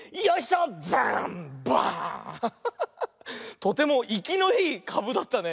とてもいきのいいかぶだったね。